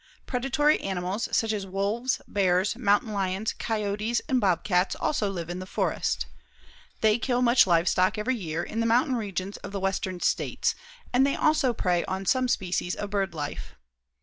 Predatory animals, such as wolves, bears, mountain lions, coyotes and bobcats also live in the forest. They kill much livestock each year in the mountain regions of the Western States and they also prey on some species of bird life.